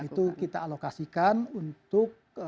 ya itu kita alokasikan untuk mereka